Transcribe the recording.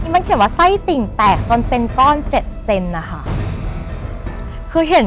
มันเขียนว่าไส้ติ่งแตกจนเป็นก้อนเจ็ดเซน